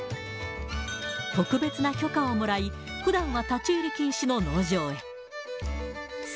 特別な許可をもらい、ふだんは立ち入り禁止の農場へ。